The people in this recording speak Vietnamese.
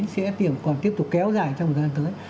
sẽ còn tiếp tục kéo dài trong thời gian tới